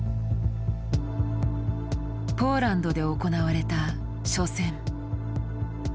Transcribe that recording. ポーランドで行われた初戦。